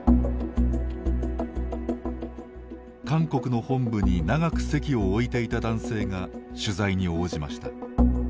韓国の本部に長く籍を置いていた男性が取材に応じました。